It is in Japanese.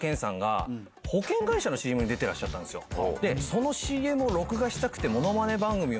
そのＣＭを録画したくて。